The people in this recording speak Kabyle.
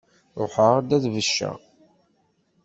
Ṛuḥeɣ ad d-becceɣ.